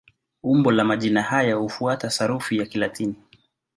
Umbo la majina haya hufuata sarufi ya Kilatini.